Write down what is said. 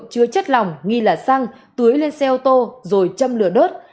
chưa chất lòng nghi là xăng tưới lên xe ô tô rồi châm lửa đớt